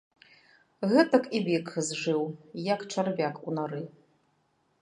Гэтак і век зжыў, як чарвяк у нары.